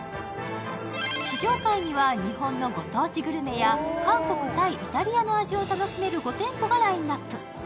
地上階には日本のご当地グルメや、韓国、タイ、イタリアの味を楽しめる５店舗がラインナップ。